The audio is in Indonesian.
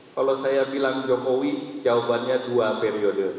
kalau saya bilang jokowi jawabannya dua periode